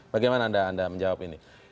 bagaimana anda menjawab ini